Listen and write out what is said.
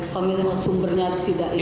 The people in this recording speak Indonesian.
kami memang sumbernya tidak ini